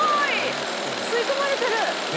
えっ吸い込まれてる？